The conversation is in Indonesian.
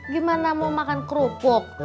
gimana mau makan kerupuk